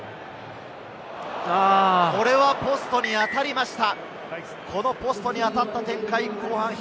これはポストに当たりました！